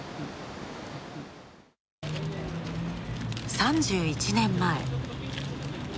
３１年前。